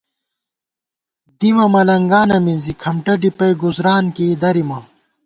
دِیمہ ملَنگانہ مِنزی، کھمٹہ ڈِپَئ ، گُزُران کېئ درِیمہ